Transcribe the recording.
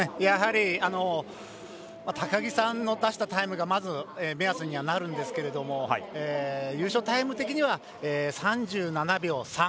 やはり高木さんの出したタイムがまず目安にはなるんですけど優勝タイム的には３７秒３。